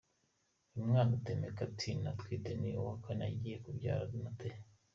Uyu mwana Tameka Tiny atwite ni uwa kane agiye kubyara na T.